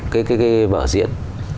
cái vở diễn